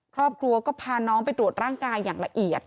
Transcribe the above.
ครอบครัวก็พาน้องไปตรวจร่างกายอย่างละเอียด